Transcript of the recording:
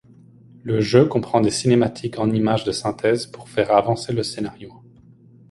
Le jeu comprend des cinématiques en images de synthèse pour faire avancer le scénario.